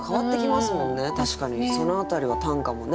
確かにその辺りは短歌もね。